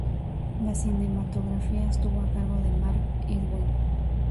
La cinematografía estuvo a cargo de Mark Irwin.